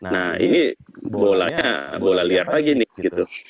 nah ini bolanya bola liar lagi nih gitu